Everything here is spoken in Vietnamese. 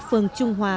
phường trung hòa